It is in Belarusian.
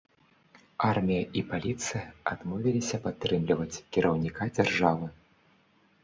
Армія і паліцыя адмовіліся падтрымліваць кіраўніка дзяржавы.